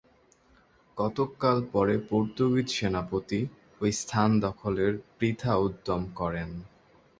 কতক কাল পরে পোর্তুগীজ সেনাপতি ঐ স্থান দখলের বৃথা উদ্যম করেন।